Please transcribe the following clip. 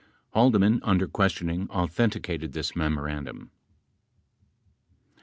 21 Haldeman, under questioning, authenti cated this memorandum.